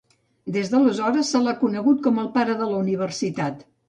Des d'aleshores se l'ha conegut com El Pare de la Universitat.